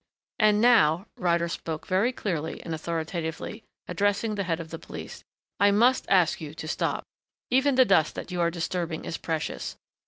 "And now," Ryder spoke very clearly and authoritatively, addressing the head of the police, "I must ask you to stop. Even the dust that you are disturbing is precious.